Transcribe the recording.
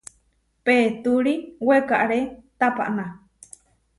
Peturi wekaré tapaná.